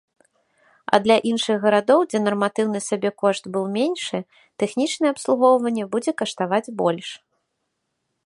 А для іншых гарадоў, дзе нарматыўны сабекошт быў меншы, тэхнічнае абслугоўванне будзе каштаваць больш.